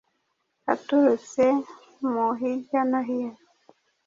aturutse mu hirya no hino,